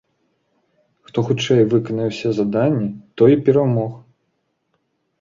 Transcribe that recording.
Хто хутчэй выканае ўсе заданні, той і перамог.